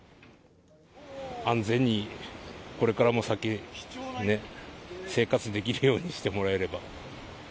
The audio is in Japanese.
安全にこれからも先、生活できるようにしてもらえれば。